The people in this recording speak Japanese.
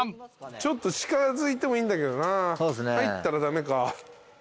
ちょっと近づいてもいいんだけどな入ったら駄目か。